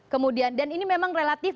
kemudian dan ini memang relatif